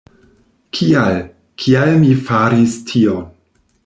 Kial, kial mi faris tion?